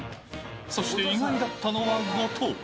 そして意外だったのは後藤。